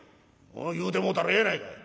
「言うてもうたらええやないかい。